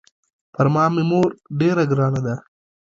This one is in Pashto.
پر ما مې مور ډېره ګرانه ده.